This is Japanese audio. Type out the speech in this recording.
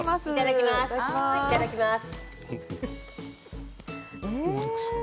いただきます。